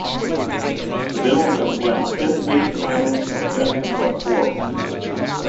The Bills have won ten division titles, and the Jets have won four.